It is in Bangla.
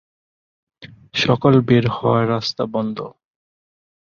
সকল বের হওয়ার রাস্তা বন্ধ।